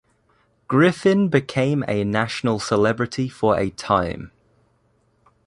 Griffin became a national celebrity for a time.